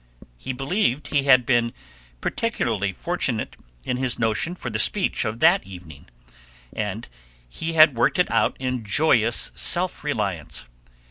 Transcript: He believed he had been particularly fortunate in his notion for the speech of that evening, and he had worked it out in joyous self reliance.